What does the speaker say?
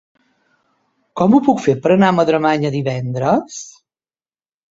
Com ho puc fer per anar a Madremanya divendres?